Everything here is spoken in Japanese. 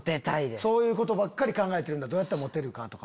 そういうことばかり考えてるんだどうやったらモテるか。